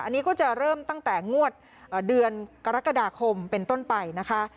อันนี้ก็จะเริ่มตั้งแต่งวดเดือนกรกฎาคมเป็นต้นไปนะคะ